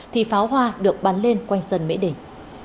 thì pháo hoa được bắn lên quanh sân mỹ đình